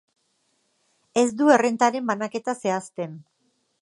Ez du errentaren banaketa zehazten.